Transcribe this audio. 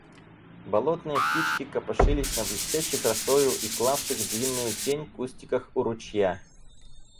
Болотные птички копошились на блестящих росою и клавших длинную тень кустиках у ручья.